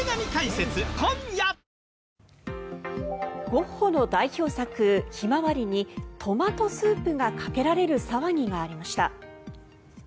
ゴッホの代表作「ひまわり」にトマトスープがかけられる騒ぎがありました。